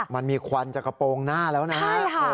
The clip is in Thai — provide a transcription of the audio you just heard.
มันมีควันจากกระโปรงหน้าแล้วนะฮะ